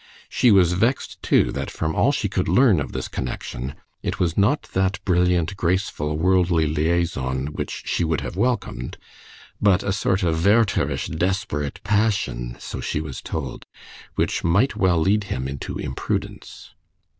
She was vexed, too, that from all she could learn of this connection it was not that brilliant, graceful, worldly liaison which she would have welcomed, but a sort of Wertherish, desperate passion, so she was told, which might well lead him into imprudence.